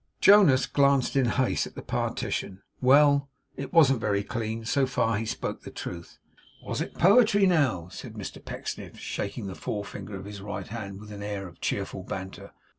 Jonas glanced in haste at the partition. Well. It wasn't very clean. So far he spoke the truth. 'Was it poetry now?' said Mr Pecksniff, shaking the forefinger of his right hand with an air of cheerful banter.